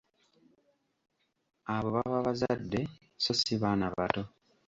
Abo baba bazadde sso si baana bato.